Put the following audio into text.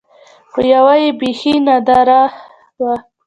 خو يوه يې بيخي نادره وه.